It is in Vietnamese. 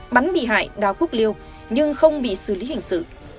bắn bị hại đào quốc liêu nhưng không bị xử lý hình sự